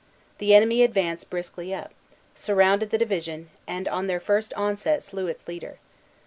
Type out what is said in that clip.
The enemy advanced briskly up, surrounded the division, and on their first onset slew its leader.